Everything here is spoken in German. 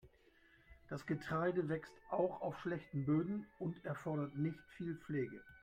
Das Getreide wächst auch auf schlechten Böden und erfordert nicht viel Pflege.